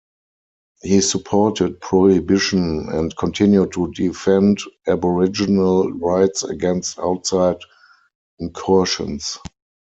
He supported prohibition, and continued to defend aboriginal rights against outside incursions.